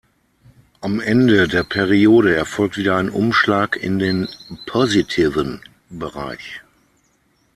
Am Ende der Periode erfolgt wieder ein Umschlag in den positiven Bereich.